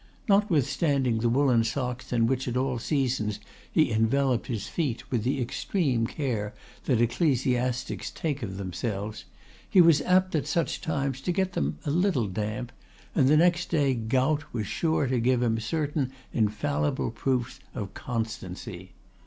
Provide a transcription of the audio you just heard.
Notwithstanding the woollen socks in which at all seasons he enveloped his feet with the extreme care that ecclesiastics take of themselves, he was apt at such times to get them a little damp, and the next day gout was sure to give him certain infallible proofs of constancy.